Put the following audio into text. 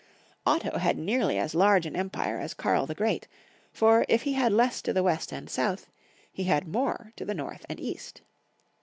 Otto had nearly as large an empire as Karl the Great, for if he had less to the west and south, he had more to the north and east.